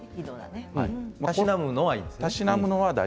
たしなむのはいいんですね。